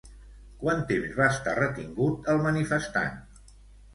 Quant temps va estar retingut el manifestant?